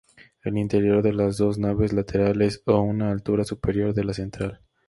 El interior tiene las dos naves laterales a una altura superior de la central.